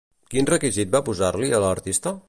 Quin requisit va posar-li a l'artista?